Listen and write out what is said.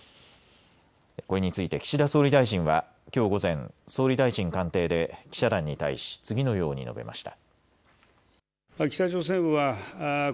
これについて岸田総理大臣はきょう午前、総理大臣官邸で記者団に対し次のように述べました。